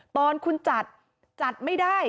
ตอนคุณจัดจัดไม่ได้